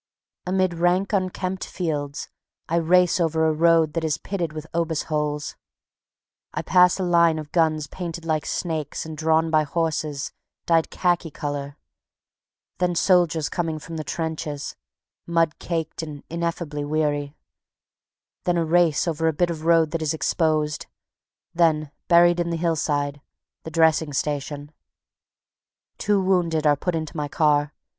Amid rank unkempt fields I race over a road that is pitted with obus holes; I pass a line of guns painted like snakes, and drawn by horses dyed khaki color; then soldiers coming from the trenches, mud caked and ineffably weary; then a race over a bit of road that is exposed; then, buried in the hill side, the dressing station. The two wounded are put into my car.